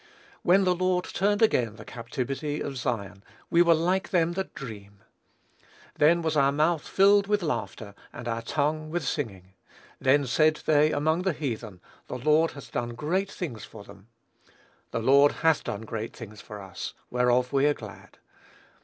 "When the Lord turned again the captivity of Zion, we were like them that dream. Then was our mouth filled with laughter, and our tongue with singing: then said they among the heathen, the Lord hath done great things for them; the Lord hath done great things for us, whereof we are glad."